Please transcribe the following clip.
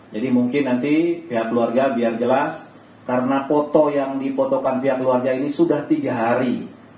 jadi mungkin nanti pihak keluarga biar jelas karena foto yang dipotokan pihak keluarga ini sudah tiga hari